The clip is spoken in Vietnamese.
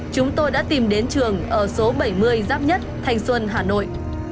chúng tôi đã tìm đến trường ở số bảy mươi giáp nhất thanh xuân hà nội